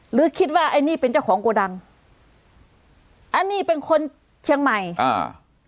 หรือคิดว่าไอ้นี่เป็นเจ้าของโกดังอันนี้เป็นคนเชียงใหม่อ่า